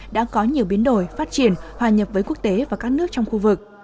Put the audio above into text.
đã có nhiều biến đổi phát triển hòa nhập với quốc tế và các nước trong khu vực